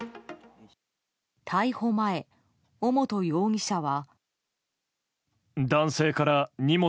逮捕前、尾本容疑者は。